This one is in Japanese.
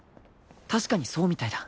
［確かにそうみたいだ。